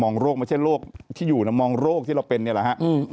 โรคไม่ใช่โรคที่อยู่นะมองโรคที่เราเป็นเนี่ยแหละฮะ